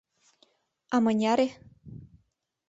— А мыняре?